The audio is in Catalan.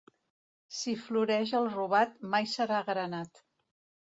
Si floreix el robat, mai serà granat.